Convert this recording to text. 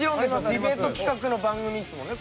ディベート企画の番組ですもんね。